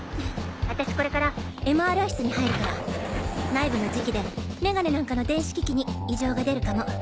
私これからＭＲＩ室に入るから内部の磁気でメガネなんかの電子機器に異常が出るかも。